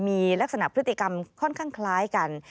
มีลักษณะพฤติกรรมค่อนข้างคล้ายกัน